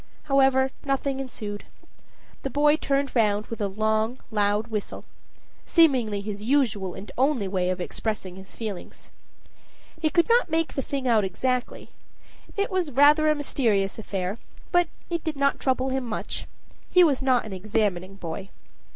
However, nothing ensued. The boy turned round, with a long, loud whistle seemingly his usual and only way of expressing his feelings. He could not make the thing out exactly it was a rather mysterious affair, but it did not trouble him much he was not an "examining" boy.